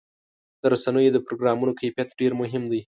د رسنیو د پروګرامونو کیفیت ډېر مهم دی.